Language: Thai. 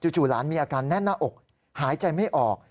จู่หลานมีอาการแน่นหน้าอกหายใจไม่ออก